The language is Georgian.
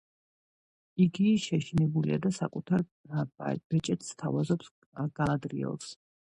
იგი შეშინებულია და საკუთარ ბეჭედს სთავაზობს გალადრიელს.